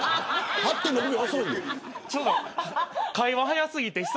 会話、早すぎて。